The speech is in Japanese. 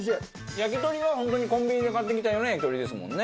焼き鳥は本当にコンビニで買ってきたような焼き鳥ですもんね。